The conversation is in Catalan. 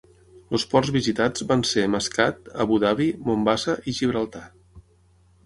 Els ports visitats van ser Masqat, Abu Dhabi, Mombasa i Gibraltar.